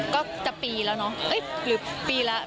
ก็จะปีแล้วเนาะหรือปีแล้ว